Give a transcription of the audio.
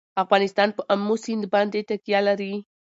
افغانستان په آمو سیند باندې تکیه لري.